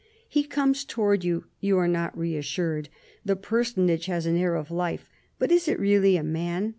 ]" He comes towards you. You are not reassured. The personage has an air of life. But is it really a man